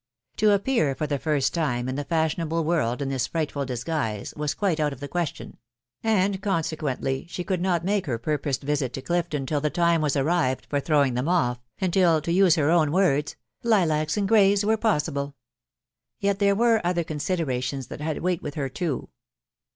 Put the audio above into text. To appear for the first time in the fashionable world in this frightful disguise, was quite out of the question ; and consequently she could not make her purposed visit to Clifton till the time was arrived for throwing them off, and till to use her own words, ec lilacs and greys were possible.' Yet there were other considerations that had weight with her too.